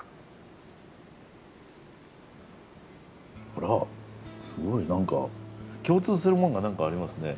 あらすごい何か共通するものが何かありますね。